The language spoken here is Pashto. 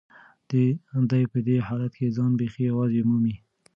دی په دې حالت کې ځان بیخي یوازې مومي.